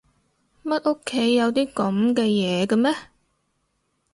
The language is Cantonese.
乜屋企有啲噉嘅嘢㗎咩？